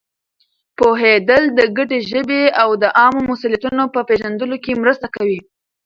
پوهېدل د ګډې ژبې او د عامو مسؤلیتونو په پېژندلو کې مرسته کوي.